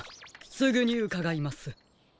すぐにうかがいます。